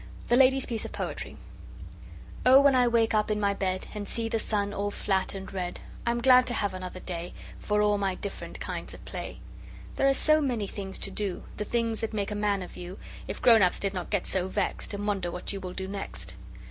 The lady's piece of poetry: Oh when I wake up in my bed And see the sun all fat and red, I'm glad to have another day For all my different kinds of play. There are so many things to do The things that make a man of you, If grown ups did not get so vexed And wonder what you will do next.